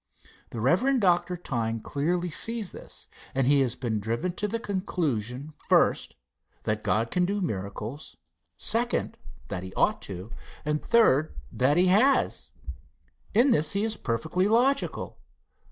The Rev. Dr. Tyng clearly sees this, and he has been driven to the conclusion, first, that God can do miracles; second, that he ought to, third, that he has. In this he is perfectly logical.